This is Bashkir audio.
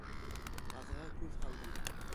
Баҙға күҙ һалдым.